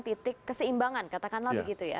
titik keseimbangan katakanlah begitu ya